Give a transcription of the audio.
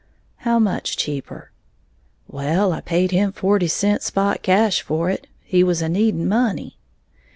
"How much cheaper?" "Well, I paid him forty cents spot cash for it, he was a needing money."